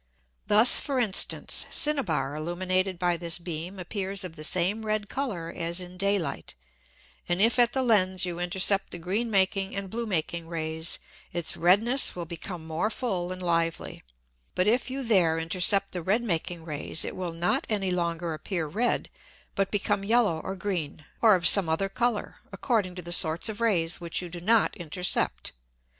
Thus, for instance, Cinnaber illuminated by this beam appears of the same red Colour as in Day light; and if at the Lens you intercept the green making and blue making Rays, its redness will become more full and lively: But if you there intercept the red making Rays, it will not any longer appear red, but become yellow or green, or of some other Colour, according to the sorts of Rays which you do not intercept.